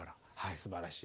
すばらしい！